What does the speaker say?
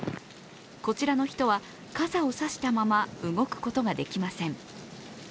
こちらの人は傘を差したまま動くことができません。